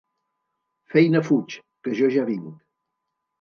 Feina fuig, que jo ja vinc.